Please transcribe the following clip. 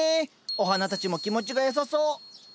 お花たちも気持ちが良さそう。